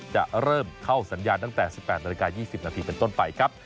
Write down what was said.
จะเริ่มเข้าสัญญาณตั้งแต่๑๘นาฬิกา๒๐นาทีเป็นต้นไปครับ